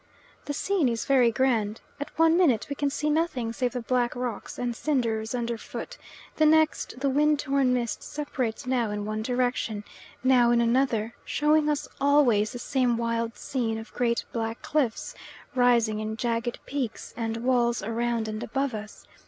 The scene is very grand. At one minute we can see nothing save the black rocks and cinders under foot; the next the wind torn mist separates now in one direction, now in another, showing us always the same wild scene of great black cliffs, rising in jagged peaks and walls around and above us.